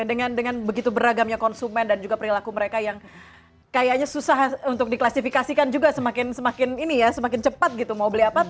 dengan begitu beragamnya konsumen dan juga perilaku mereka yang kayaknya susah untuk diklasifikasikan juga semakin ini ya semakin cepat gitu mau beli apa